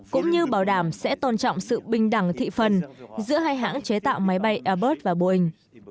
cũng như bảo đảm sẽ tôn trọng sự bình đẳng thị phần giữa hai hãng chế tạo máy bay airbus và boeing